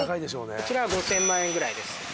こちらは５，０００万円ぐらいです。